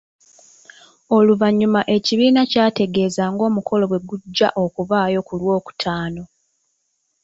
Oluvannyuma ekibiina kyategeeza ng'omukolo bwegujja okubaayo ku Lwokutaano.